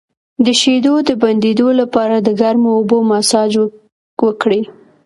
د شیدو د بندیدو لپاره د ګرمو اوبو مساج وکړئ